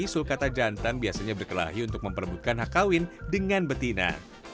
sulkata juga memiliki kemampuan untuk memperlukan hak kawin dengan betina